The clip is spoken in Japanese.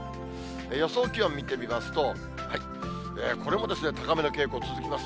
予想気温見てみますと、これも高めの傾向続きます。